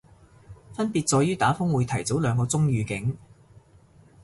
分別在於打風會提早兩個鐘預警